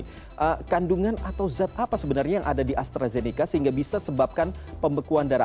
jadi kandungan atau zat apa sebenarnya yang ada di astrazeneca sehingga bisa sebabkan pembekuan darah